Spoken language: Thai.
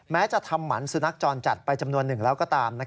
จะทำหมันสุนัขจรจัดไปจำนวนหนึ่งแล้วก็ตาม